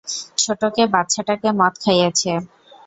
ছোটকে বাচ্ছাটাকে মদ খাইয়েছে।